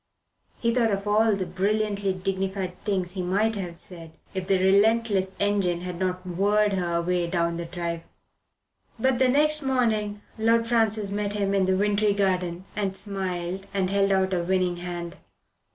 He thought of all the brilliantly dignified things he might have said, if the relentless engine had not whirred her away down the drive. But the next morning Lord Francis met him in the wintry garden and smiled and held out a winning hand.